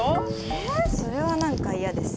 えそれは何か嫌です。